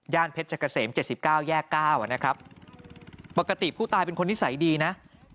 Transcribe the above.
ย่านเพชรจกเสม๗๙๙นะครับปกติผู้ตายเป็นคนนิสัยดีนะ